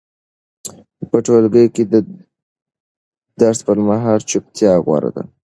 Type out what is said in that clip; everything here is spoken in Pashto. په ټولګي کې د درس پر مهال چوپتیا غوره ده.